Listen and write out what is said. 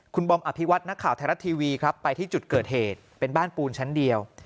คุณบอมอภิวัตนักข่าวไทยรัฐทีวีครับไปที่จุดเกิดเหตุเป็นบ้านปูนชั้นเดียว